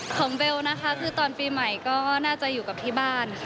เบลนะคะคือตอนปีใหม่ก็น่าจะอยู่กับที่บ้านค่ะ